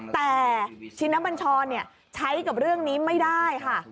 แต่ชินบัญชรใช้กับเรื่องนี้ไม่ได้ค่ะ